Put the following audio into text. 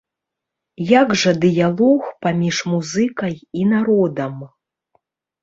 Як жа дыялог паміж музыкай і народам?